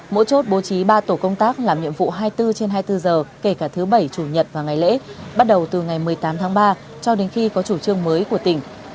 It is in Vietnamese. mỗi chốt bố trí ba tổ công tác làm nhiệm vụ hai mươi bốn trên hai mươi bốn giờ kể cả thứ bảy chủ nhật và ngày lễ bắt đầu từ ngày một mươi tám tháng ba cho đến khi có chủ trương mới của tỉnh